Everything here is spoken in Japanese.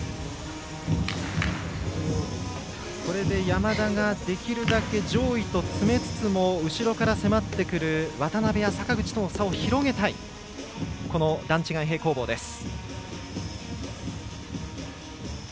山田ができるだけ上位と詰めつつも後ろから迫ってくる渡部や坂口との差を広げたい段違い平行棒です。